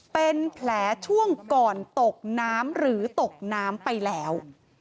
เป็นแผลช่วงก่อนตกน้ำหรือตกน้ำไปแล้ว